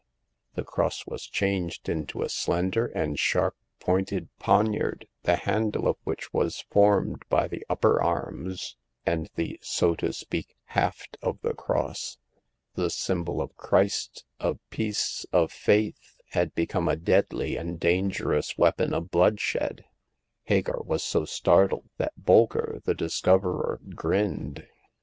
the cross was changed into a slender and, sharp pointed poniard, the handle of which was formed by the upper arms and the, so to speak, haft of the cross. The symbol of Christ, of peace, of faith, had become a deadly and dangerous weapon of bloodshed. Hagar was so startled that Bolker, the discoverer, grinned.